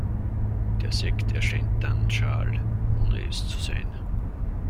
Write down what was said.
Der Sekt erscheint dann schal, ohne es zu sein.